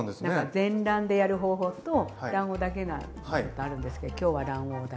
全卵でやる方法と卵黄だけなのとあるんですけど今日は卵黄だけで。